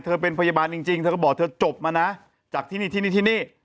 เป็นพยาบาลจริงเธอก็บอกเธอจบมานะจากที่นี่ที่นี่ที่นี่